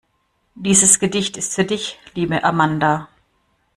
Dieses Gedicht ist für dich, liebe Amanda.